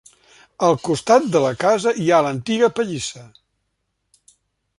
Al costat de la casa hi ha l'antiga pallissa.